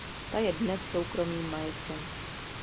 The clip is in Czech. Ta je dnes soukromým majetkem.